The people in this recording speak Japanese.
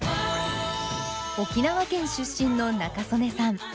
沖縄県出身の仲宗根さん。